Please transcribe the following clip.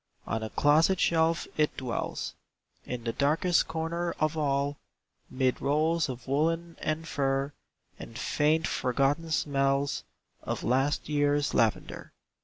On a closet shelf it dwells, In the darkest corner of all, Mid rolls of woollen and fur, And faint, forgotten smells Of last year's lavender.